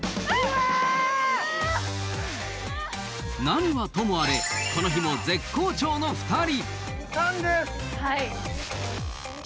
何はともあれこの日も絶好調の２人！